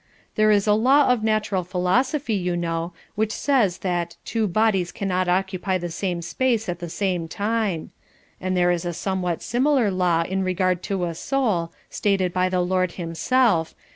There is a law of Natural Philosophy, you know, which says that 'Two bodies cannot occupy the same place at the same time', and there is a somewhat similar law in regard to a soul, stated by the Lord himself.